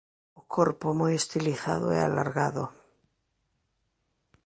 O corpo é moi estilizado e alargado.